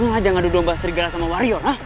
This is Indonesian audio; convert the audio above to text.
lo semua aja gak duduk ambas trigala sama wario